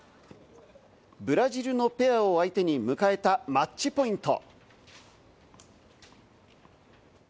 ブラジルのペアを相手に迎えたマッチポイント。